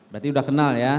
berarti sudah kenal ya